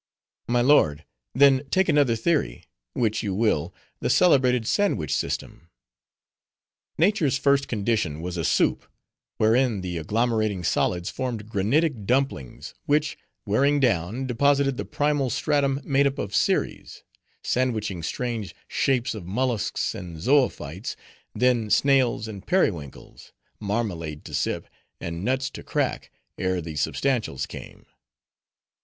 "My lord, then take another theory—which you will—the celebrated sandwich System. Nature's first condition was a soup, wherein the agglomerating solids formed granitic dumplings, which, wearing down, deposited the primal stratum made up of series, sandwiching strange shapes of mollusks, and zoophytes; then snails, and periwinkles:— marmalade to sip, and nuts to crack, ere the substantials came.